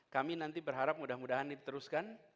kami nanti berharap mudah mudahan diteruskan